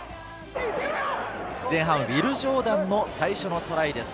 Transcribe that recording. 前半、ウィル・ジョーダンの最初のトライです。